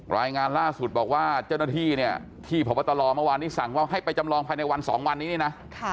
รายงานล่าสุดบอกว่าเจ้าหน้าที่เนี่ยที่พบตรเมื่อวานนี้สั่งว่าให้ไปจำลองภายในวัน๒วันนี้นี่นะ